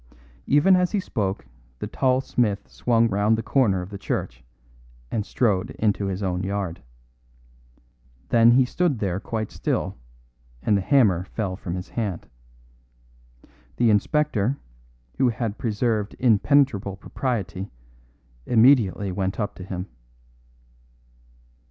Even as he spoke the tall smith swung round the corner of the church, and strode into his own yard. Then he stood there quite still, and the hammer fell from his hand. The inspector, who had preserved impenetrable propriety, immediately went up to him.